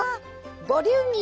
ボリューミー！